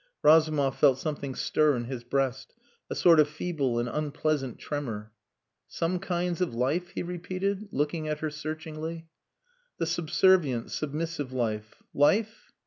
Razumov felt something stir in his breast, a sort of feeble and unpleasant tremor. "Some kinds of life?" he repeated, looking at her searchingly. "The subservient, submissive life. Life?